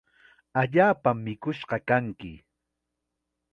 Allaapam mikush kanki.